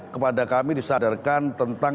kepada kami disadarkan tentang